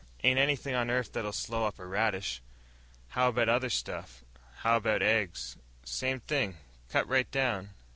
Ain't anything on earth that'll slow up a radish." "How about other stuff? How about eggs?" "Same thing. Cut right down.